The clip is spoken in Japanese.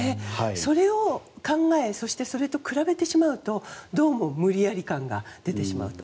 それを考えそしてそれと比べてしまうとどうも無理やり感が出てしまうと。